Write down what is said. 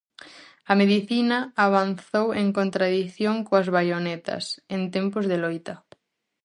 A medicina avanzou en contradición coas baionetas, en tempos de loita.